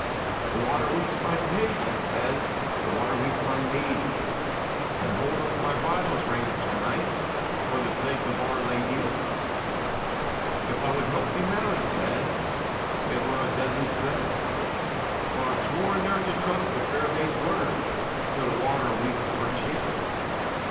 "The water weets my tae," she said; "The water weets my knee, And hold up my bridle reins, sir knight, For the sake of Our Ladye." "If I would help thee now," he said, "It were a deadly sin, For I've sworn neir to trust a fair may's word, Till the water weets her chin."